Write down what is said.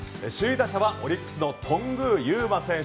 首位打者はオリックスの頓宮裕真選手